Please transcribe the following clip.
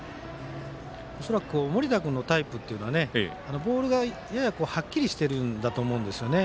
恐らく盛田君のタイプっていうのはボールが、ややはっきりしてるんだと思うんですよね。